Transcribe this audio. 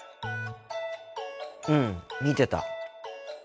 うん見てた。